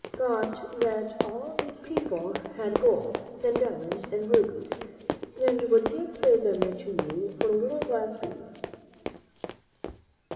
thought that all these people had gold and dia monds and rubies, and would give them to you for little glass beads.